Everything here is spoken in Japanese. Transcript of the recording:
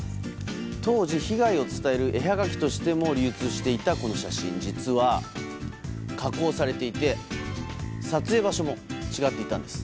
当時被害を伝える絵はがきとしても流通していたこの写真実は加工されていて撮影場所も違っていたんです。